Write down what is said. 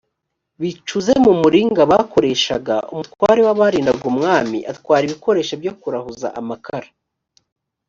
bicuze mu muringa bakoreshaga umutware w abarindaga umwami atwara ibikoresho byo kurahuza amakara